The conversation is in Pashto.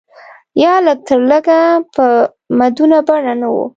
یا لږ تر لږه په مدونه بڼه نه و.